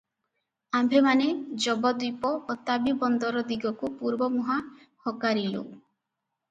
ଆମ୍ଭେମାନେ ଯବଦ୍ୱୀପ-ବତାବୀ ବନ୍ଦର ଦିଗକୁ ପୂର୍ବମୁହାଁ ହକାରିଲୁଁ ।